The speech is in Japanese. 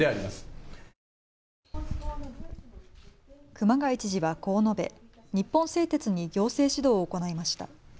熊谷知事はこう述べ、日本製鉄に行政指導を行いました。